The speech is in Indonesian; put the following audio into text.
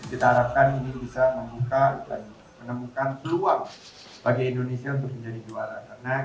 kita harapkan ini bisa membuka dan menemukan peluang bagi indonesia untuk menjadi juara